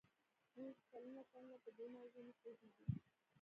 موږ کلونه کلونه په دې موضوع نه پوهېدو